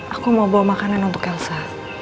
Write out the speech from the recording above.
aku mau bawa makanan untuk elsa